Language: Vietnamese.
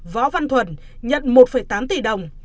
võ văn thuận nhận một tám tỷ đồng